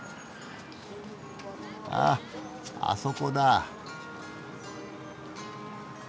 ああそこだ。